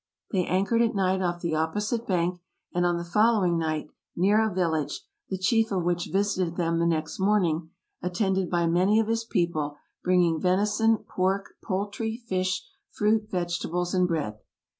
They anchored at night off the opposite bank, and on the following night, near a village, the chief of which visited them the next morning, attended by many of his people, bringing venison, pork, poultry, fish, fruit, vegetables, and bread.